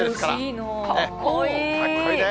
かっこいいね。